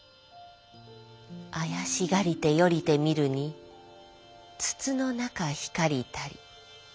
あやしがりて寄りて見るに筒の中光りたり。